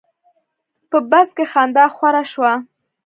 په بس کې خندا خوره شوه.